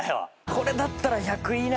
これだったら１００位以内。